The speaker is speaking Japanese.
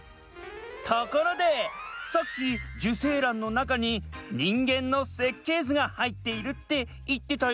ところでさっき受精卵のなかに人間の設計図がはいっているっていってたよね。